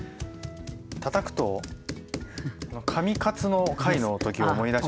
たたくと紙カツの回のときを思い出します。